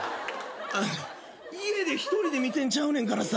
家で一人で見てんちゃうねんからさ。